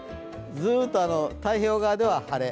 ずーっと太平洋側では晴れ。